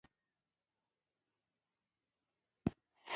د سمنګان په خلم کې د څه شي نښې دي؟